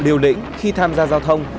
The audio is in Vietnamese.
liều lĩnh khi tham gia giao thông